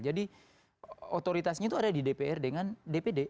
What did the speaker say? jadi otoritasnya itu ada di dpr dengan dpd